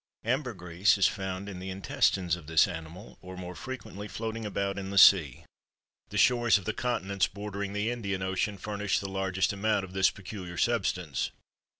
Ambergris is found in the intestines of this animal or, more frequently, floating about in the sea; the shores of the continents bordering the Indian Ocean furnish the largest amount of this peculiar substance.